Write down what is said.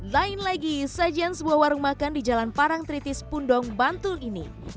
lain lagi sajian sebuah warung makan di jalan parang tritis pundong bantul ini